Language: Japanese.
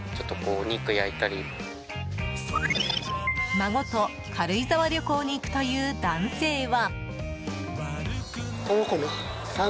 孫と軽井沢旅行に行くという男性は。